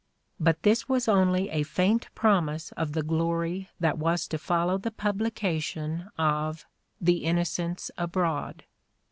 But this was only a faint promise of the glory that was to follow the pub lication of '' The Innocents Abroad.